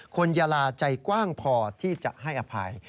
ยาลาใจกว้างพอที่จะให้อภัย